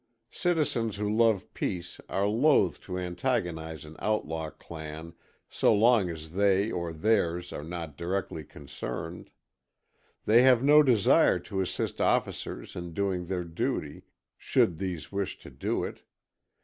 Citizens who love peace are loath to antagonize an outlaw clan so long as they or theirs are not directly concerned. They have no desire to assist officers in doing their duty, should these wish to do it.